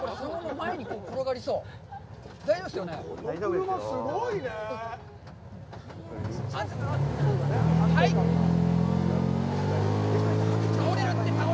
前に転がりそう。